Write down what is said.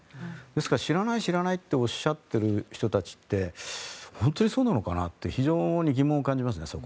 ですから知らない、知らないとおっしゃっている人たちって本当にそうなのかなって非常にそこは疑問を感じますね。